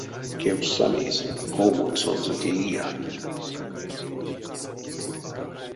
Кевкстьсамизь, ков мон сонзэ теия.